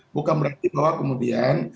bukan berarti bahwa kemudian